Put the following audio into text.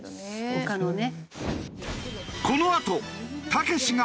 他のね。